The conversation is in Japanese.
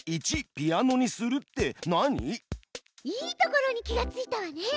いいところに気がついたわね。